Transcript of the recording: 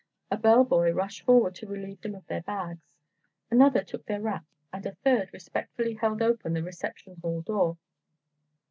A bell boy rushed forward to relieve them of their bags, another took their wraps and a third respectfully held open the reception hall door.